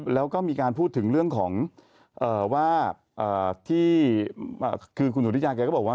แล้วก็มีการพูดถึงเรื่องของคือคุณหนูดิจารย์แกก็บอกว่า